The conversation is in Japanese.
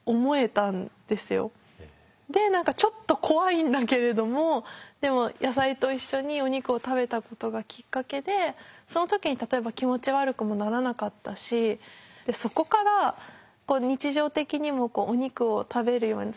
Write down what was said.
で何かちょっと怖いんだけれどもでも野菜と一緒にお肉を食べたことがきっかけでその時に例えば気持ち悪くもならなかったしでそこから日常的にもお肉を食べるように。